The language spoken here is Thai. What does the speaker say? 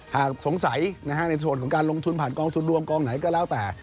หากสงสัยในส่วนของการลงทุนผ่านกองทุนรวมกองไหนก็แล้วแต่